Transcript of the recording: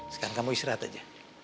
sekarang kamu istirahat aja